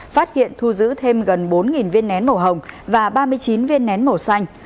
phát hiện thu giữ thêm gần bốn viên nén màu hồng và ba mươi chín viên nén màu xanh